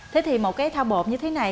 thế thì một cái thau bột như thế này